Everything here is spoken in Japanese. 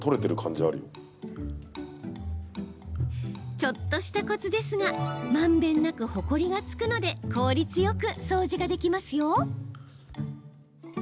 ちょっとしたコツですがまんべんなくほこりがつくので効率よく掃除ができますよ。